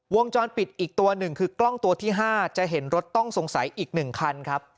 วงจรปิดอีกตัวหนึ่งคือกล้องตัวที่๕จะเห็นรถต้องสงสัยอีก๑คันครับ